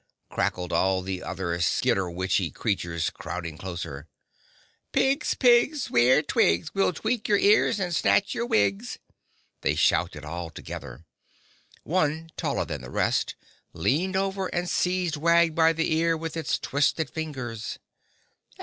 crackled all the other skitter witchy creatures, crowding closer. "Pigs, pigs, we're the twigs; We'll tweak your ears and snatch your wigs!" they shouted all together. One taller than the rest leaned over and seized Wag by the ear with its twisted fingers.